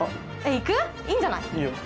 行く？いいんじゃない？いいよ。